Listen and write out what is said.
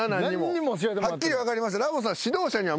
はっきり分かりましたよ。